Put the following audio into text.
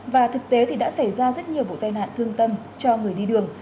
và thực tế thì đã xảy ra rất nhiều vụ tai nạn thương tâm cho người đi đường